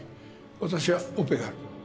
私はオペがある